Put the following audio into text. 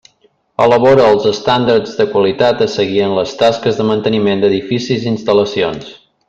Elabora els estàndards de qualitat a seguir en les tasques de manteniment d'edificis i instal·lacions.